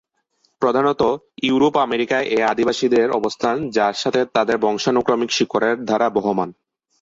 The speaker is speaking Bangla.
প্রধানতঃ ইউরোপ ও আমেরিকায় এ আদিবাসীদের অবস্থান, যার সাথে তাদের বংশানুক্রমিক শিকড়ের ধারা বহমান।